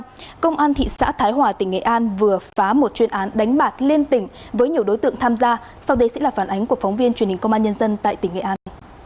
cơ quan điều tra công an thị xã thái hòa tỉnh nghệ an vừa phá một chuyên án đánh bạc lên tỉnh với nhiều đối tượng tham gia sau đây sẽ là phản ánh của phóng viên truyền hình công an nhân dân tại tỉnh nghệ an